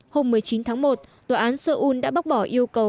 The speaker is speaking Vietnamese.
hôm một mươi chín tháng một tòa án seoul đã bác bỏ yêu cầu